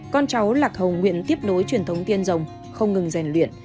con cháu lạc hồng nguyện tiếp nối truyền thống tiên rồng không ngừng rèn luyện